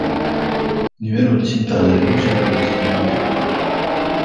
Nivelul țintă al reducerilor este neadecvat.